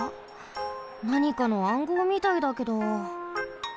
なにかの暗号みたいだけど。